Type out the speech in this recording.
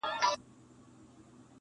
• چي اغږلی یې د شر تخم په ذات دی -